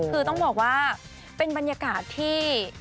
คือต้องบอกว่าเป็นบรรยากาศที่